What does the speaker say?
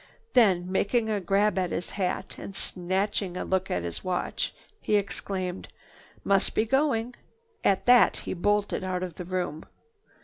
Then, making a grab at his hat, and snatching a look at his watch, he exclaimed: "Must be going!" At that he bolted out of the room.